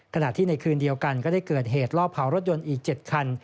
ขณะที่ในคืนเดียวกันก็ได้เกิดเหตุลอบเผารถยนต์อีก๗คัน